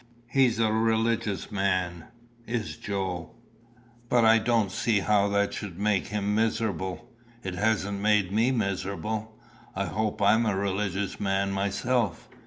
He's a religious man, is Joe." "But I don't see how that should make him miserable. It hasn't made me miserable. I hope I'm a religious man myself.